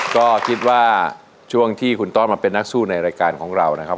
ก็คิดว่าช่วงที่คุณต้อนมาเป็นนักสู้ในรายการของเรานะครับ